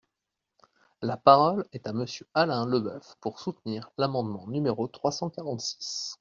La parole est à Monsieur Alain Leboeuf, pour soutenir l’amendement numéro trois cent quarante-six.